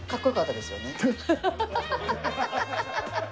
アハハハハ。